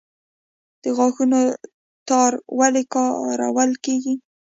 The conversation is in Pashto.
د غاښونو تار ولې کارول کیږي؟